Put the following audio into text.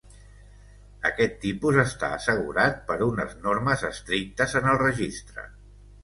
Aquest tipus està assegurat per unes normes estrictes en el registre.